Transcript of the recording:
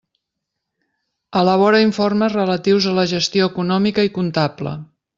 Elabora informes relatius a la gestió econòmica i comptable.